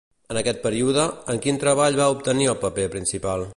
En aquest període, en quin treball va obtenir el paper principal?